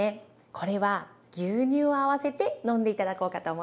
これは牛乳を合わせて飲んで頂こうかと思っています。